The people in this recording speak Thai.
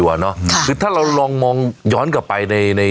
วิ่งเลย